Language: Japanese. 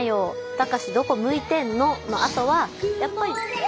「タカシどこ向いてんの」のあとはやっぱり。